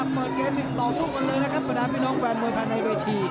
เปิดเกมนี้ต่อสู้กันเลยนะครับบรรดาพี่น้องแฟนมวยภายในเวที